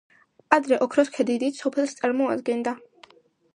ადრე ოქროსქედი დიდ სოფელს წარმოადგენდა.